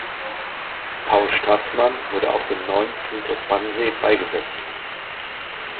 Paul Straßmann wurde auf dem Neuen Friedhof Wannsee beigesetzt.